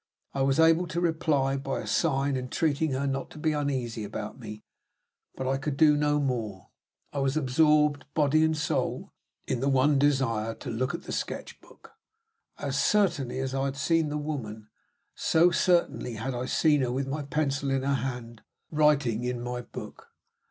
I was able to reply by a sign entreating her not to be uneasy about me, but I could do no more. I was absorbed, body and soul, in the one desire to look at the sketch book. As certainly as I had seen the woman, so certainly I had seen her, with my pencil in her hand, writing in my book.